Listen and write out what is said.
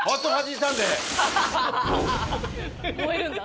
燃えるんだ。